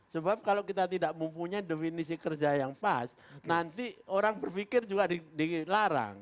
sebab kalau kita tidak mempunyai definisi kerja yang pas nanti orang berpikir juga dilarang